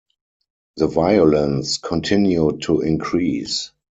The violence continued to increase.